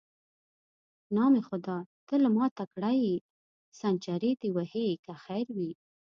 نام خدای، ته له ما تکړه یې، سنچري دې وهې که خیر وي.